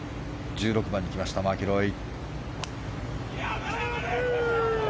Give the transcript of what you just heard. １６番に来ました、マキロイ。